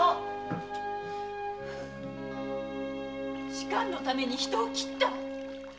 仕官のために人を斬った？